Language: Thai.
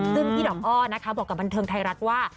ซึ่งพี่ดอกอ้อนะคะบอกกับบันเทิงไทยรัฐว่า